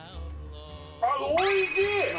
あっ、おいしい。